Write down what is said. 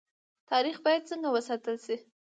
تاریخ باید څنګه وساتل شي؟